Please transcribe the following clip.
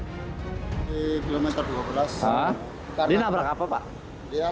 di kilometer dua belas dia lepas kopelnya ini